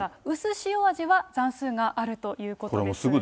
しおあじは残数があるということです。